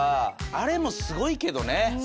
あれもすごいけどね。